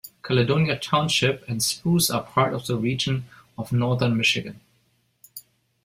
Caledonia Township and Spruce are part of the region of Northern Michigan.